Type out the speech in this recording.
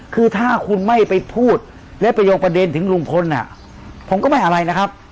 คือถ้าคุณไม่ไปพูดและไปโยงประเด็นถึงลุงพลผมก็ไม่อะไรนะครับ